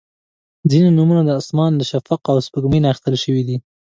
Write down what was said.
• ځینې نومونه د اسمان، شفق، او سپوږمۍ نه اخیستل شوي دي.